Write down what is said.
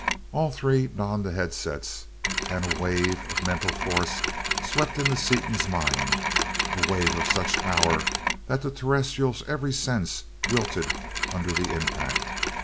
All three donned the headsets and a wave of mental force swept into Seaton's mind, a wave of such power that the Terrestrial's every sense wilted under the impact.